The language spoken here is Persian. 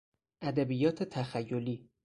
ادبیات تخیلی